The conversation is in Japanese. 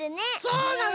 そうなの！